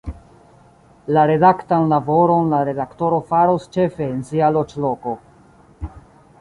La redaktan laboron la redaktoro faros ĉefe en sia loĝloko.